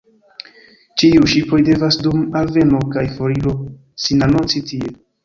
Ĉiuj ŝipoj devas dum alveno kaj foriro sinanonci tie.